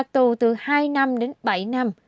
tù từ hai năm đến bảy năm